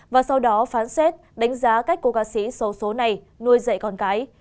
và sau đó phán xét đánh giá cách cố ca sĩ sâu số này nuôi dạy con cái